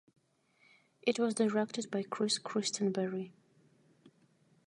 It was directed by Chris Christenberry.